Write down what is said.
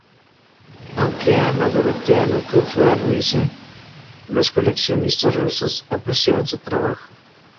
Aunque Anna Dorothea nunca fue a Rusia, los coleccionistas rusos apreciaron su trabajo.